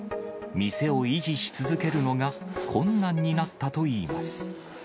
店を維持し続けるのが困難になったといいます。